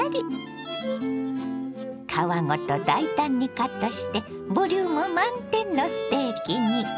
皮ごと大胆にカットしてボリューム満点のステーキに。